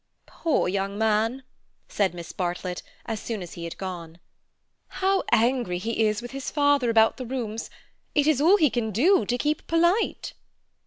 "Poor young man!" said Miss Bartlett, as soon as he had gone. "How angry he is with his father about the rooms! It is all he can do to keep polite."